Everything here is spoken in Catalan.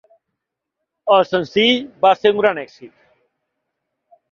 El senzill va ser un gran èxit.